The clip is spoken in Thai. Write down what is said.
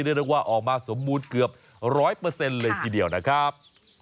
เรียกได้ว่าออกมาสมบูรณ์เกือบ๑๐๐เลยทีเดียวนะครับ